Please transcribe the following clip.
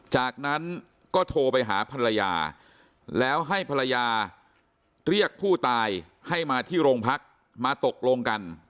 จากนั้นก็โทรไปหาภรรยาแล้วให้ภรรยาเรียกผู้ตายให้มาที่โรงพักมาตกลงกัน